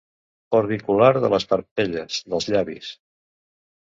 Orbicular de les parpelles, dels llavis.